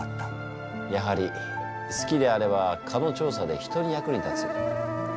やはり好きであれば蚊の調査で人の役に立つ。